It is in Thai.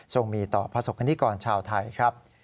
มีต่อประสบกรณิกรชาวไทยครับ